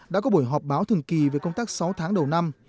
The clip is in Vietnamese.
đã có buổi họp báo thường kỳ về công tác sáu tháng đầu năm